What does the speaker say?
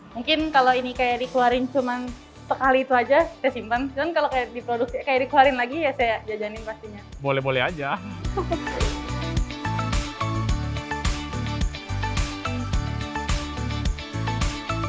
mungkin kalau ini kayak dikeluarkan cuma sekali itu saja saya simpan